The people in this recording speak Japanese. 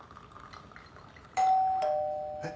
・えっ？